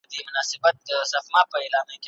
شخړي د خبرو له لاري حل کیدلې.